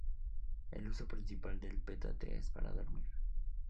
El uso principal del petate es para dormir.